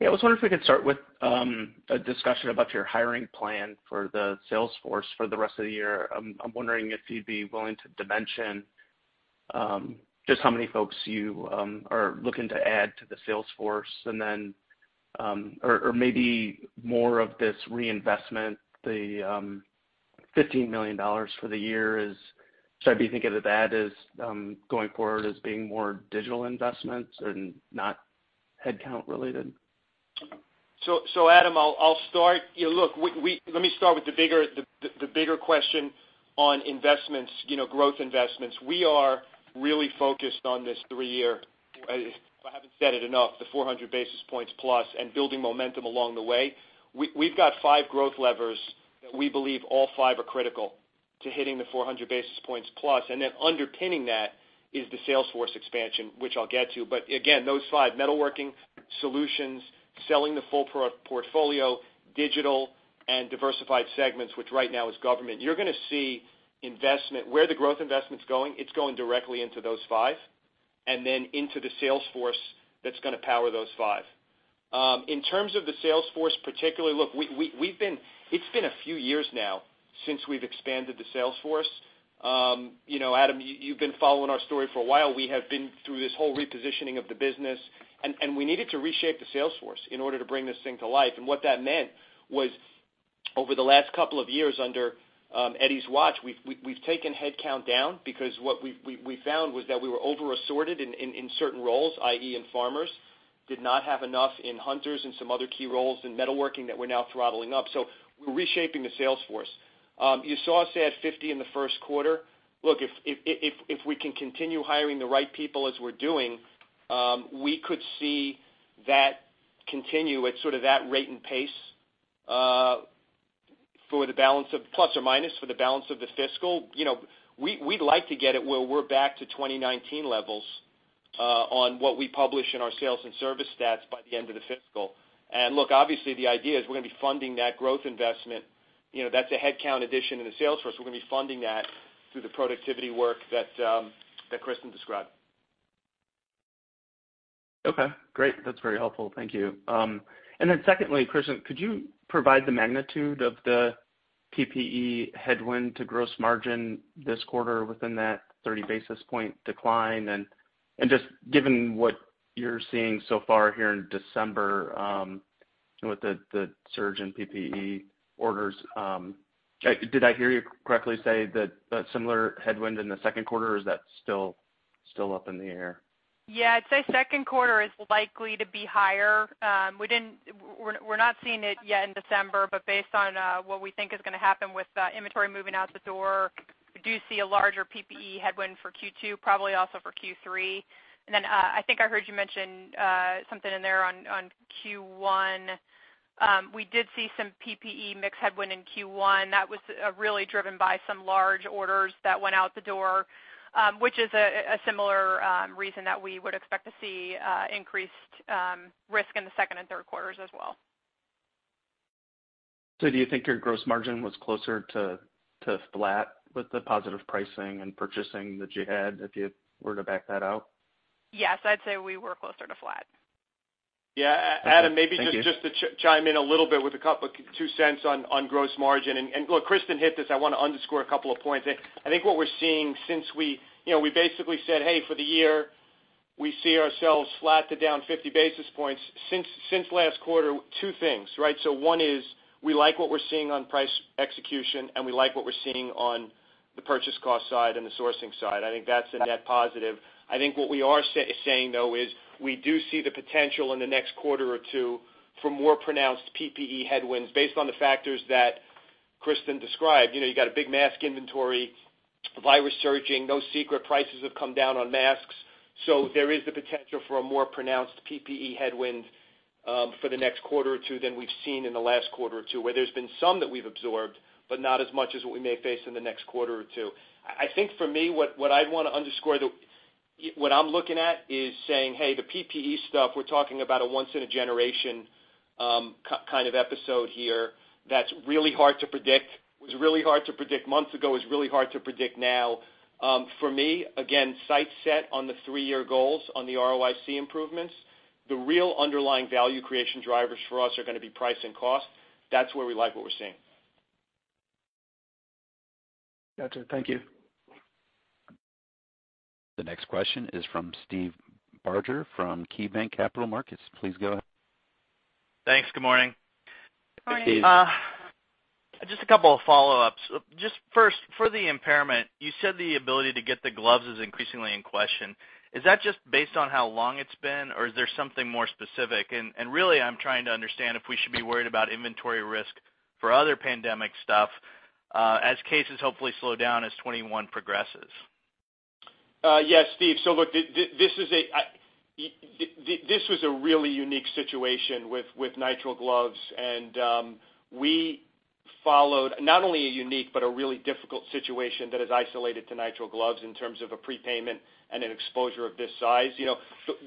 Yeah, I was wondering if we could start with a discussion about your hiring plan for the sales force for the rest of the year. I'm wondering if you'd be willing to dimension just how many folks you are looking to add to the sales force, and then or maybe more of this reinvestment, the $15 million for the year is, should I be thinking of that as going forward as being more digital investments and not headcount related? Adam, let me start with the bigger question on growth investments. We are really focused on this three-year, if I haven't said it enough, the 400 basis points plus and building momentum along the way. We've got five growth levers. We believe all five are critical to hitting the 400 basis points plus, and then underpinning that is the sales force expansion, which I'll get to. Again, those five, metalworking solutions, selling the full portfolio, digital and diversified segments, which right now is government. You're going to see where the growth investment's going. It's going directly into those five, and then into the sales force that's going to power those five. In terms of the sales force, particularly, it's been a few years now since we've expanded the sales force. Adam, you've been following our story for a while. We have been through this whole repositioning of the business, and we needed to reshape the sales force in order to bring this thing to life. What that meant was over the last couple of years under Erik's watch, we've taken headcount down because what we found was that we were over-assorted in certain roles, i.e. in farmers, did not have enough in hunters and some other key roles in metalworking that we're now throttling up. We're reshaping the sales force. You saw us add 50 in the first quarter. If we can continue hiring the right people as we're doing, we could see that continue at sort of that rate and pace plus or minus for the balance of the fiscal. We'd like to get it where we're back to 2019 levels on what we publish in our sales and service stats by the end of the fiscal. Look, obviously the idea is we're going to be funding that growth investment. That's a headcount addition in the sales force. We're going to be funding that through the productivity work that Kristen described. Okay, great. That's very helpful. Thank you. Secondly, Kristen, could you provide the magnitude of the PPE headwind to gross margin this quarter within that 30 basis point decline? Just given what you're seeing so far here in December with the surge in PPE orders, did I hear you correctly say that similar headwind in the second quarter, or is that still up in the air? Yeah, I'd say second quarter is likely to be higher. We're not seeing it yet in December, based on what we think is going to happen with inventory moving out the door. We do see a larger PPE headwind for Q2, probably also for Q3. I think I heard you mention something in there on Q1. We did see some PPE mix headwind in Q1 that was really driven by some large orders that went out the door, which is a similar reason that we would expect to see increased risk in the second and third quarters as well. Do you think your gross margin was closer to flat with the positive pricing and purchasing that you had if you were to back that out? Yes, I'd say we were closer to flat. Yeah. Adam, maybe just to chime in a little bit with a couple of two cents on gross margin. Look, Kristen hit this. I want to underscore a couple of points. I think what we're seeing since we basically said, "Hey, for the year, we see ourselves flat to down 50 basis points." Since last quarter, two things, right? One is we like what we're seeing on price execution, and we like what we're seeing on the purchase cost side and the sourcing side. I think that's a net positive. I think what we are saying, though, is we do see the potential in the next quarter or two for more pronounced PPE headwinds based on the factors that Kristen described. You've got a big mask inventory, the virus surging, no secret prices have come down on masks. There is the potential for a more pronounced PPE headwind for the next quarter or two than we've seen in the last quarter or two, where there's been some that we've absorbed, but not as much as what we may face in the next quarter or two. I think for me, what I'd want to underscore, what I'm looking at is saying, hey, the PPE stuff, we're talking about a once-in-a-generation kind of episode here that's really hard to predict. It was really hard to predict months ago. It's really hard to predict now. For me, again, sights set on the three-year goals on the ROIC improvements. The real underlying value creation drivers for us are going to be price and cost. That's where we like what we're seeing. Got you. Thank you. The next question is from Steve Barger from KeyBanc Capital Markets. Please go ahead. Thanks. Good morning. Hey, Steve. A couple of follow-ups. First, for the impairment, you said the ability to get the gloves is increasingly in question. Is that just based on how long it's been, or is there something more specific? Really, I'm trying to understand if we should be worried about inventory risk for other pandemic stuff as cases hopefully slow down as 2021 progresses. Yes, Steve. Look, this was a really unique situation with nitrile gloves, and we followed not only a unique but a really difficult situation that is isolated to nitrile gloves in terms of a prepayment and an exposure of this size.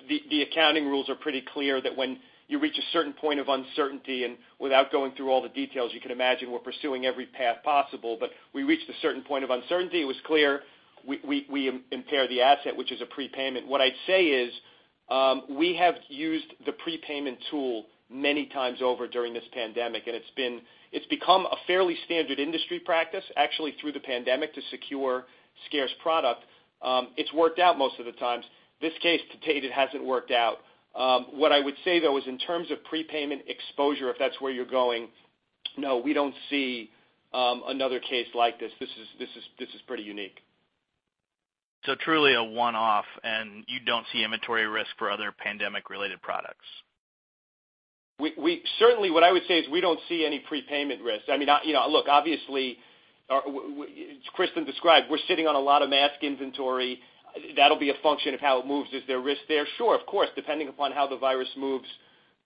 The accounting rules are pretty clear that when you reach a certain point of uncertainty, and without going through all the details, you can imagine we're pursuing every path possible. We reached a certain point of uncertainty. It was clear we impair the asset, which is a prepayment. What I'd say is we have used the prepayment tool many times over during this pandemic, and it's become a fairly standard industry practice, actually through the pandemic, to secure scarce product. It's worked out most of the times. This case to date, it hasn't worked out. What I would say, though, is in terms of prepayment exposure, if that's where you're going, no, we don't see another case like this. This is pretty unique. Truly a one-off, and you don't see inventory risk for other pandemic-related products. What I would say is we don't see any prepayment risk. Look, obviously, as Kristen described, we're sitting on a lot of mask inventory. That'll be a function of how it moves. Is there risk there? Sure, of course, depending upon how the virus moves.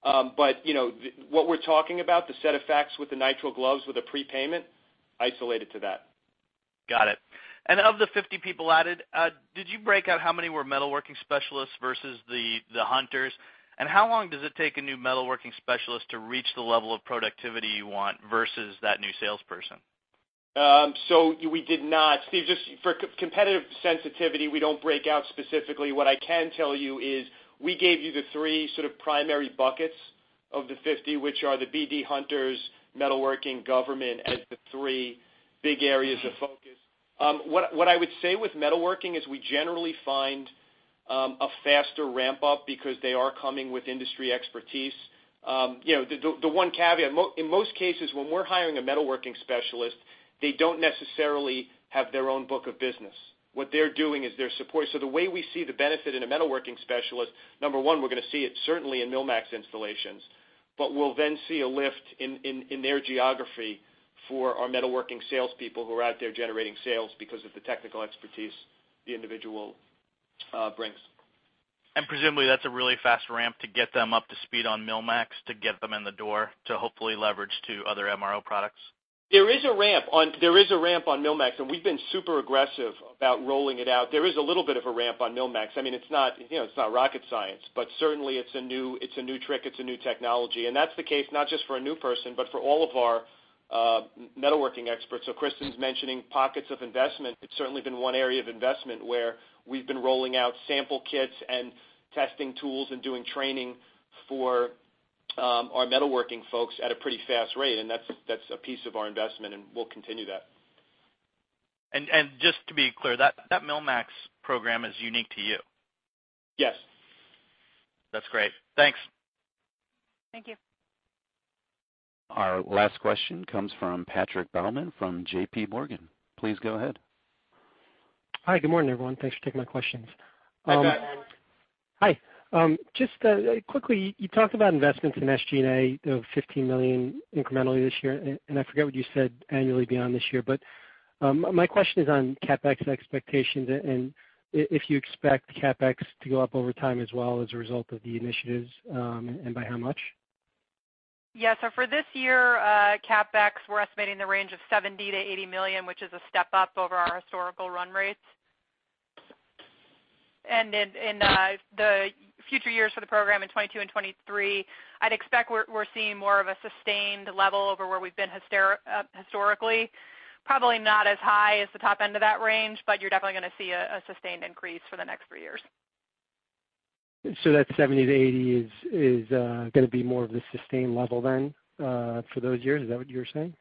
What we're talking about, the set of facts with the nitrile gloves with a prepayment, isolated to that. Got it. Of the 50 people added, did you break out how many were metalworking specialists versus the hunters? How long does it take a new metalworking specialist to reach the level of productivity you want versus that new salesperson? We did not. Steve, just for competitive sensitivity, we don't break out specifically. What I can tell you is we gave you the three sort of primary buckets of the 50, which are the BD hunters, metalworking, government as the three big areas of focus. What I would say with metalworking is we generally find a faster ramp-up because they are coming with industry expertise. The one caveat, in most cases, when we're hiring a metalworking specialist, they don't necessarily have their own book of business. What they're doing is they're support. The way we see the benefit in a metalworking specialist, number one, we're going to see it certainly in MillMax installations, but we'll then see a lift in their geography for our metalworking salespeople who are out there generating sales because of the technical expertise the individual brings. Presumably, that's a really fast ramp to get them up to speed on MillMax, to get them in the door, to hopefully leverage to other MRO products? There is a ramp on MillMax, and we've been super aggressive about rolling it out. There is a little bit of a ramp on MillMax. It's not rocket science, but certainly it's a new trick. It's a new technology. That's the case not just for a new person, but for all of our metalworking experts. Kristen's mentioning pockets of investment. It's certainly been one area of investment where we've been rolling out sample kits and testing tools and doing training for our metalworking folks at a pretty fast rate, and that's a piece of our investment, and we'll continue that. Just to be clear, that MillMax program is unique to you. Yes. That's great. Thanks. Thank you. Our last question comes from Patrick Baumann from JPMorgan. Please go ahead. Hi, good morning, everyone. Thanks for taking my questions. Hi, Pat. Hi. Just quickly, you talked about investments in SG&A of $15 million incrementally this year, and I forget what you said annually beyond this year. My question is on CapEx expectations and if you expect CapEx to go up over time as well as a result of the initiatives, and by how much? Yeah. For this year, CapEx, we're estimating the range of $70 million-$80 million, which is a step up over our historical run rates. In the future years for the program in 2022 and 2023, I'd expect we're seeing more of a sustained level over where we've been historically. Probably not as high as the top end of that range, but you're definitely going to see a sustained increase for the next 3 years. That 70-80 is going to be more of the sustained level then for those years. Is that what you're saying?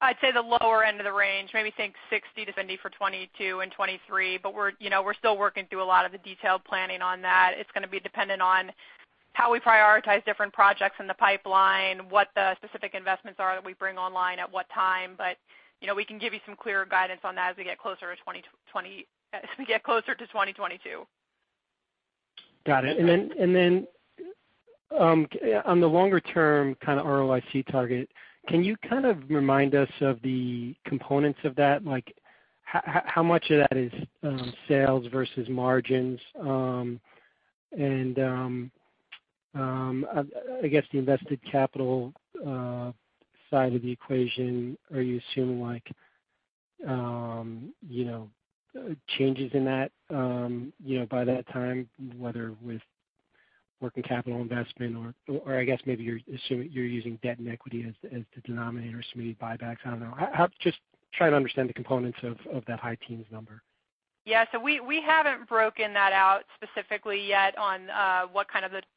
I'd say the lower end of the range, maybe think 60 to 70 for 2022 and 2023. We're still working through a lot of the detailed planning on that. It's going to be dependent on how we prioritize different projects in the pipeline, what the specific investments are that we bring online, at what time. We can give you some clearer guidance on that as we get closer to 2022. Got it. On the longer term ROIC target, can you kind of remind us of the components of that? How much of that is sales versus margins? I guess the invested capital side of the equation, are you assuming changes in that by that time, whether with working capital investment or I guess maybe you're using debt and equity as the denominator, some of the buybacks? I don't know. I'm just trying to understand the components of that high teens number. We haven't broken that out specifically yet on what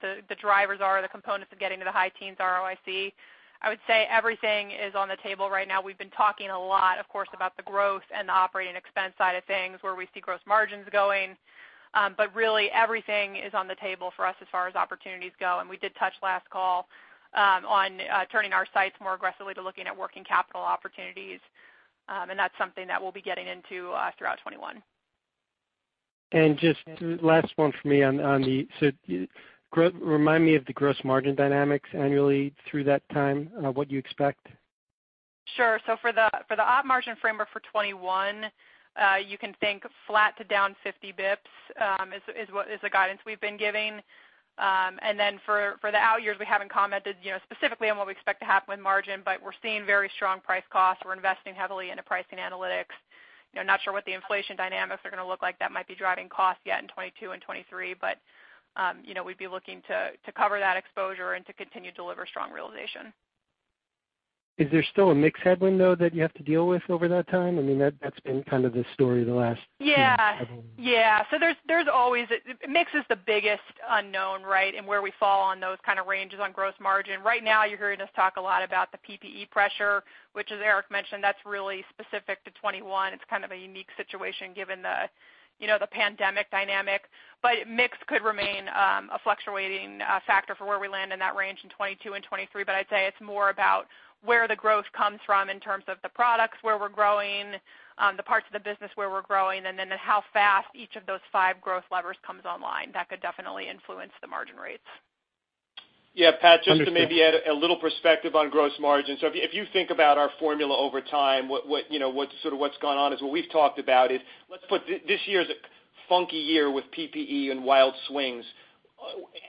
the drivers are, the components of getting to the high teens ROIC. I would say everything is on the table right now. We've been talking a lot, of course, about the growth and the operating expense side of things, where we see gross margins going. Really everything is on the table for us as far as opportunities go. We did touch last call on turning our sights more aggressively to looking at working capital opportunities. That's something that we'll be getting into throughout 2021. Just last one for me. Remind me of the gross margin dynamics annually through that time, what you expect. Sure. For the op margin framework for 2021, you can think flat to down 50 basis points, is the guidance we've been giving. For the out years, we haven't commented specifically on what we expect to happen with margin, but we're seeing very strong price costs. We're investing heavily into pricing analytics. Not sure what the inflation dynamics are going to look like that might be driving costs yet in 2022 and 2023, but we'd be looking to cover that exposure and to continue to deliver strong realization. Is there still a mix headwind, though, that you have to deal with over that time? That's been kind of the story the last few. Yeah. Mix is the biggest unknown, and where we fall on those kind of ranges on gross margin. Right now, you're hearing us talk a lot about the PPE pressure, which as Erik mentioned, that's really specific to 2021. It's kind of a unique situation given the pandemic dynamic. Mix could remain a fluctuating factor for where we land in that range in 2022 and 2023. I'd say it's more about where the growth comes from in terms of the products, where we're growing, the parts of the business where we're growing, and then how fast each of those five growth levers comes online. That could definitely influence the margin rates. Yeah, Pat, just to maybe add a little perspective on gross margin. If you think about our formula over time, what's gone on is what we've talked about is, let's put this year as a funky year with PPE and wild swings.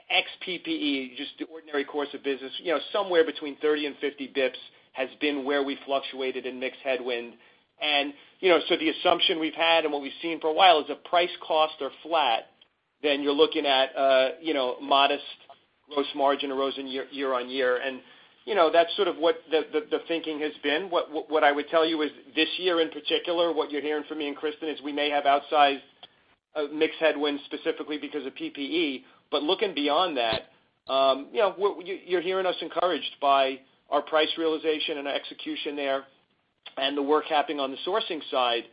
Ex PPE, just the ordinary course of business, somewhere between 30 and 50 basis points has been where we fluctuated in mix headwind. The assumption we've had and what we've seen for a while is if price costs are flat, then you're looking at modest gross margin erosion year-over-year. That's sort of what the thinking has been. What I would tell you is this year in particular, what you're hearing from me and Kristen is we may have outsized mix headwinds specifically because of PPE. Looking beyond that, you're hearing us encouraged by our price realization and our execution there and the work happening on the sourcing side.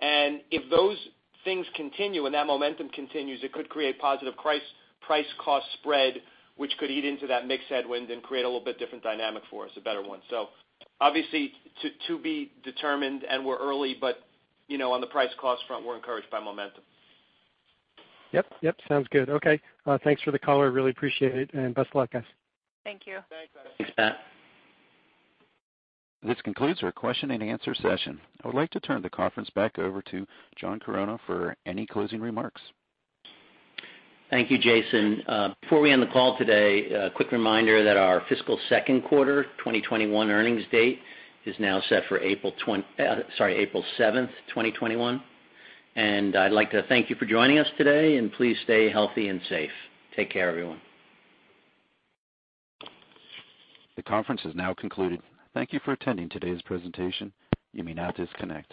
If those things continue and that momentum continues, it could create positive price cost spread, which could eat into that mix headwind and create a little bit different dynamic for us, a better one. Obviously to be determined and we're early, but on the price cost front, we're encouraged by momentum. Yep. Sounds good. Okay. Thanks for the call. I really appreciate it, and best of luck, guys. Thank you. Thanks, Pat. This concludes our question and answer session. I would like to turn the conference back over to John Chironna for any closing remarks. Thank you, Jason. Before we end the call today, a quick reminder that our fiscal second quarter 2021 earnings date is now set for April 7th, 2021. I'd like to thank you for joining us today, and please stay healthy and safe. Take care, everyone. The conference has now concluded. Thank you for attending today's presentation. You may now disconnect.